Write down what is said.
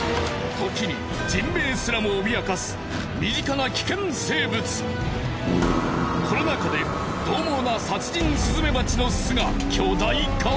時に人命すらも脅かす身近なコロナ禍でどう猛な殺人スズメバチの巣が巨大化。